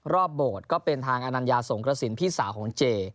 โบสถ์ก็เป็นทางอนัญญาสงกระสินพี่สาวของเจ